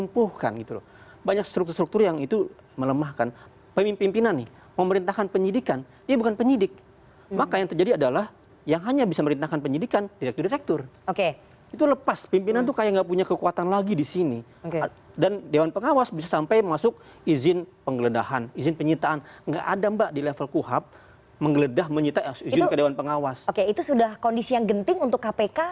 pertimbangan ini setelah melihat besarnya gelombang demonstrasi dan penolakan revisi undang undang kpk